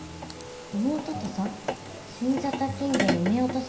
妹とさしんじゃった金魚をうめようとしたんだよね。